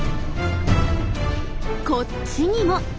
こっちにも。